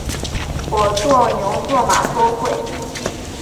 我做牛做马都会